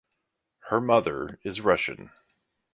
Her mother is Russian.